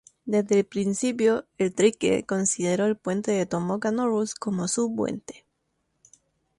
Desde el principio, Eldridge consideró el puente de Tacoma Narrows como "su puente".